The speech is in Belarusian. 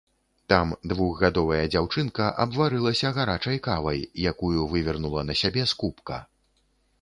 Там двухгадовая дзяўчынка абварылася гарачай кавай, якую вывернула на сябе з кубка.